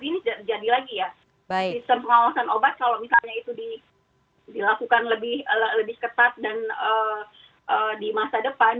sistem pengawasan obat kalau misalnya itu dilakukan lebih ketat dan di masa depan